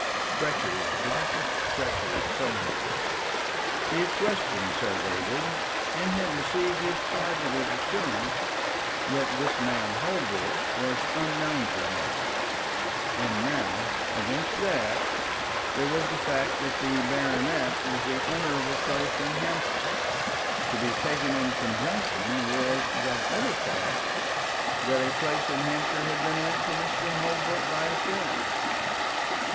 Treachery, blackest treachery somewhere. He had questioned Sir David, and had received his positive assurance that this man Holbrook was unknown to him; and now, against that there was the fact that the baronet was the owner of a place in Hampshire, to be taken in conjunction with that other fact that a place in Hampshire had been lent to Mr. Holbrook by a friend.